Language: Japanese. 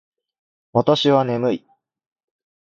私は眠い